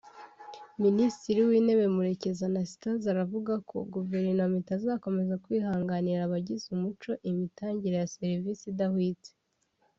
Minisitiri w’Intebe Murekezi Anastase aravuga ko Guverinoma itazakomeza kwihanganira abagize umuco imitangire ya serivisi idahwitse